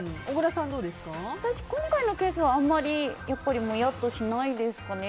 私、今回のケースはあんまりもやっとしないですかね。